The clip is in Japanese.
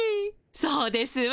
そうですわ。